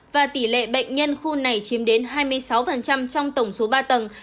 và tỷ lệ bệnh nhân khu này chiếm đến hai mươi sáu trong tổng số ba tầng